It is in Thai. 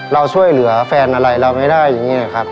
เราช่วยเหลือแฟนอะไรเราไม่ได้อย่างนี้นะครับ